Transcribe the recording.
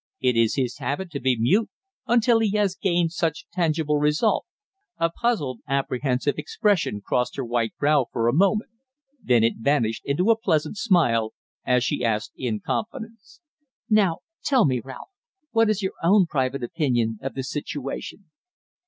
It is his habit to be mute until he has gained some tangible result." A puzzled, apprehensive expression crossed her white brow for a moment; then it vanished into a pleasant smile, as she asked in confidence: "Now, tell me, Ralph, what is your own private opinion of the situation?"